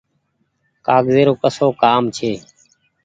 ڪآگزي رو ڪسو ڪآم ڇي ۔